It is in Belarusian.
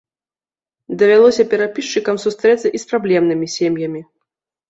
Давялося перапісчыкам сустрэцца і з праблемнымі сем'ямі.